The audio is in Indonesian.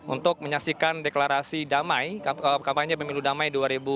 untuk menyaksikan deklarasi damai kampanye pemilu damai dua ribu dua puluh